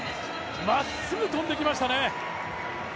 まっすぐ飛んできましたね。